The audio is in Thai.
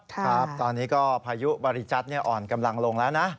ตอนนี้ประยุบริจัตธ์อ่อนกำลังลงแล้วนะ